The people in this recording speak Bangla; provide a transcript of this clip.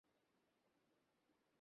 সত্যা, সত্যা, সত্যা!